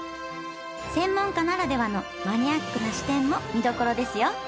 専門家ならではのマニアックな視点も見どころですよ